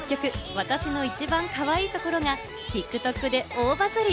『わたしの一番かわいいところ』がＴｉｋＴｏｋで大バズり。